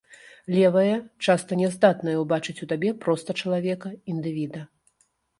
Левыя часта няздатныя ўбачыць у табе проста чалавека, індывіда.